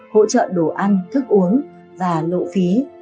hỗ trợ đồ ăn thức uống và lộ phí